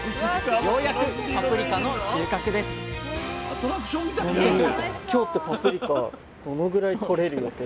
ようやくパプリカの収穫ですでも！